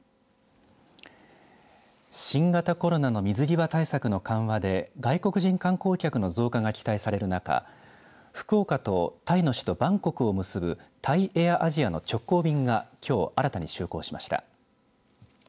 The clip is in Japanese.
新型コロナの水際対策の緩和で外国人観光客の増加が期待される中福岡とタイの首都バンコクを結ぶタイ・エアアジアの直行便がきょう、新たに就航しました。